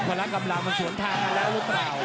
พลาคกัมลางมันสวนทางนักหรือเปล่า